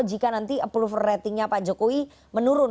jika nanti approval ratingnya pak jokowi menurun